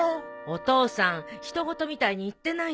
お父さん人ごとみたいに言ってないで。